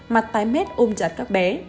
mặt tái mét ôm chặt các bé